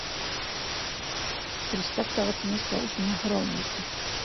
Пристав тағы тыныс тауыш менән һорау бирҙе: